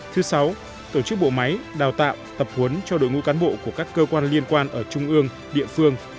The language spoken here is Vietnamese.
thứ sáu tổ chức bộ máy đào tạo tập huấn cho đội ngũ cán bộ của các cơ quan liên quan ở trung ương địa phương